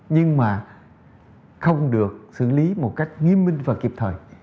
nhưng mà không được xử lý một cách nghiêm minh và kịp thời